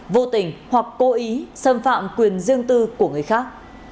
vô tình hoặc cố ý xâm phạm quyền riêng tư của người khác